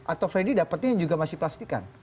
atau freddy dapatnya yang juga masih plastikan